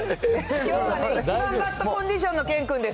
きょうはね、一番バッドコンディションの健君です。